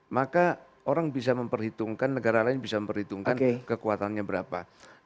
maka orang bisa memperhitungkan negara lain bisa memperhitungkan kekuatannya berapa